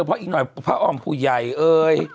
เพราะอีกหน่อยพระอ้อมผู้ใหญ่เอ่ย